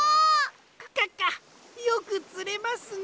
クカカよくつれますね。